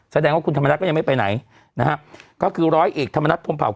แสดงว่าคุณธรรมนัฐก็ยังไม่ไปไหนนะฮะก็คือร้อยเอกธรรมนัฐพรมเผา